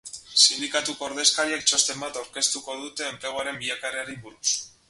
Sindikatuko ordezkariek txosten bat aurkeztu dute enpleguaren bilakaerari buruz.